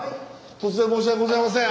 突然申し訳ございません